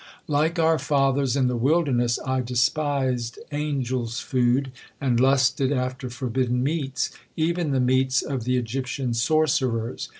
Like our fathers in the wilderness, I despised angel's food, and lusted after forbidden meats, even the meats of the Egyptian sorcerers.